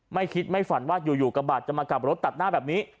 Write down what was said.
ไม่คิดไม่ฝันว่าอยู่กระบะจะมากลับรถตัดหน้าแบบนี้